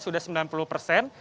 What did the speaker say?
sudah sembilan puluh persen